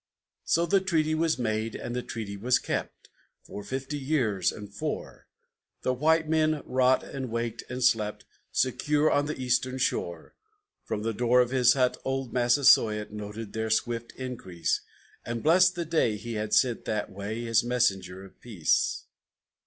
So the treaty was made, and the treaty was kept For fifty years and four; The white men wrought, and waked, and slept Secure on the Eastern Shore; From the door of his hut, old Massasoit Noted their swift increase, And blessed the day he had sent that way His messenger of peace.